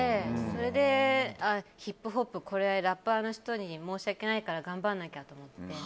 それでヒップホップこれ、ラッパーの人に申し訳ないから頑張らなきゃと思って。